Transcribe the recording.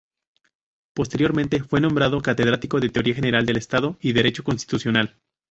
Posteriormente, fue nombrado catedrático de Teoría General del Estado y Derecho Constitucional.